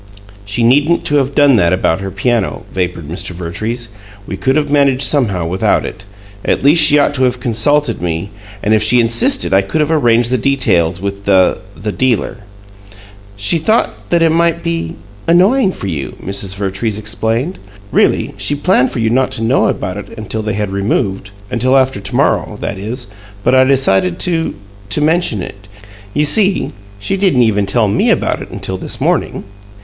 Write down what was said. "She needn't to have done that about her piano," vapored Mr. Vertrees. "We could have managed somehow without it. At least she ought to have consulted me, and if she insisted I could have arranged the details with the the dealer." "She thought that it might be annoying for you," Mrs. Vertrees explained. "Really, she planned for you not to know about it until they had removed until after to morrow, that is, but I decided to to mention it. You see, she didn't even tell me about it until this morning.